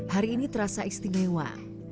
hari ini terasa istimewa